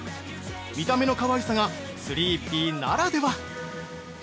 見た目のかわいさがスリーピーならでは！